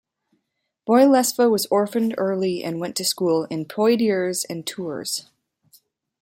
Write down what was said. Boylesve was orphaned early and went to school in Poitiers and Tours.